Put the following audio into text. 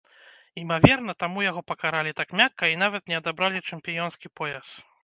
Імаверна, таму яго пакаралі так мякка і нават не адабралі чэмпіёнскі пояс.